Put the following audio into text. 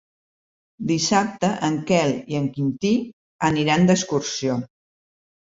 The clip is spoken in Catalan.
Dissabte en Quel i en Quintí aniran d'excursió.